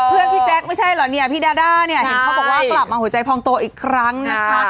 พี่แจ๊คไม่ใช่เหรอเนี่ยพี่ดาด้าเนี่ยเห็นเขาบอกว่ากลับมาหัวใจพองโตอีกครั้งนะคะ